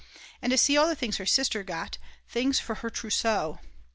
And to see all the things her sister got, things for her _trousseau!